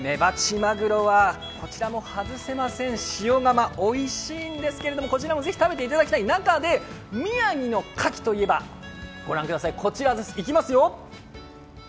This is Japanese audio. マグロは、こちらも外せません、塩釜おいしいんですけど、こちらもぜひ食べていただきたい中で宮城のかきといえば、御覧ください、こちらです。